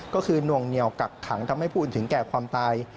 ก็คือนวงเหนียวกักขังทำให้ผู้อื่นถึงแก่ความตาย